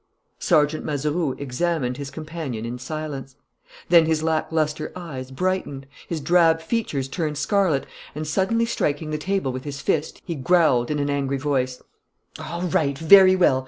Sergeant Mazeroux examined his companion in silence. Then his lacklustre eyes brightened, his drab features turned scarlet and, suddenly striking the table with his fist, he growled, in an angry voice: "All right, very well!